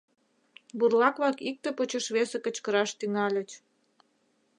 Бурлак-влак икте почеш весе кычкыраш тӱҥальыч.